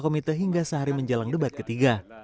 komite hingga sehari menjelang debat ketiga